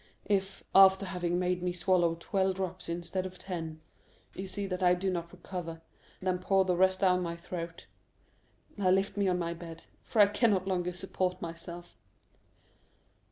If, after having made me swallow twelve drops instead of ten, you see that I do not recover, then pour the rest down my throat. Now lift me on my bed, for I can no longer support myself."